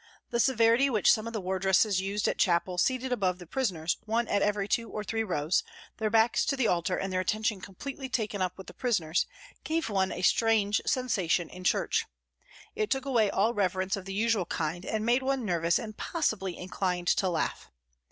The severity which some of the wardresses used at chapel seated above the prisoners, one at every two or three rows, their backs to the altar and their attention completely taken up with the prisoners, gave one a strange sensation in church ; it took away all reverence of the usual kind, and made one nervous and possibly inclined to laugh.